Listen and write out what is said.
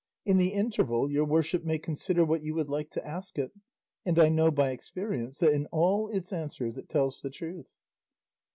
In the interval your worship may consider what you would like to ask it; and I know by experience that in all its answers it tells the truth."